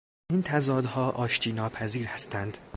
این تضادها آشتیناپذیر هستند.